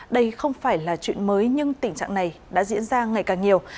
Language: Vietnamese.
đây không phải là chuyện mới nhưng tình trạng này đã diễn ra ngày càng nhiều